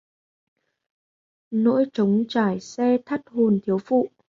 Nỗi trống trải se thắt hồn thiếu phụ